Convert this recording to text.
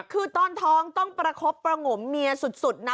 คือตอนท้องต้องประคบประงมเมียสุดนะ